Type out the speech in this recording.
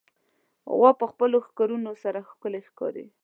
غوا د خپلو ښکرونو سره ښکلي ښکاري.